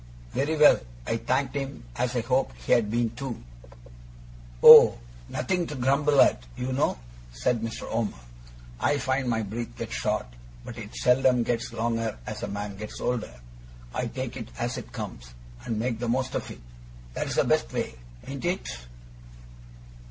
Very well, I thanked him, as I hoped he had been too. 'Oh! nothing to grumble at, you know,' said Mr. Omer. 'I find my breath gets short, but it seldom gets longer as a man gets older. I take it as it comes, and make the most of it. That's the best way, ain't it?